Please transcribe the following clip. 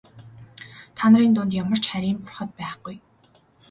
Та нарын дунд ямар ч харийн бурхад байхгүй.